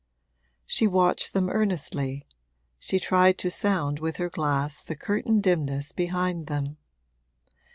She watched them earnestly she tried to sound with her glass the curtained dimness behind them.